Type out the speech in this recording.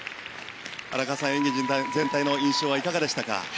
荒川さん、演技全体の印象はいかがでしたか。